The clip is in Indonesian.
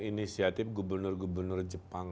inisiatif gubernur gubernur jepang